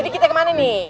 jadi kita kemana nih